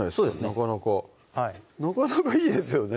なかなかはいなかなかいいですよね